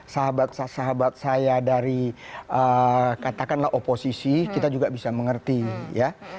sahabat sahabat saya dari katakanlah oposisi kita juga bisa mengerti ya